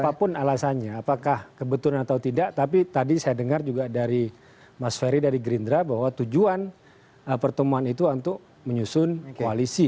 apapun alasannya apakah kebetulan atau tidak tapi tadi saya dengar juga dari mas ferry dari gerindra bahwa tujuan pertemuan itu untuk menyusun koalisi